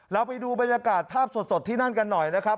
เราไปดูบรรยากาศภาพสดที่นั่นกันหน่อยนะครับ